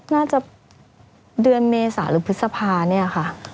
น่าจะเดือนเมษาหรือพฤษภาเนี่ยค่ะ